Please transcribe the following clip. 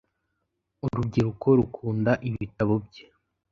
Urubyiruko rukunda ibitabo bye.